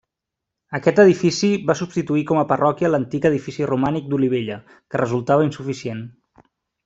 Aquest edifici va substituir com a parròquia l'antic edifici romànic d'Olivella, que resultava insuficient.